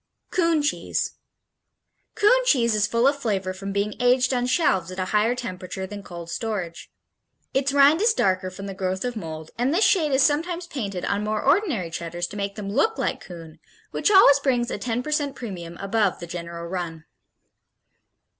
Coon Cheese Coon cheese is full of flavor from being aged on shelves at a higher temperature than cold storage. Its rind is darker from the growth of mold and this shade is sometimes painted on more ordinary Cheddars to make them look like Coon, which always brings a 10 percent premium above the general run.